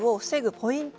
ポイント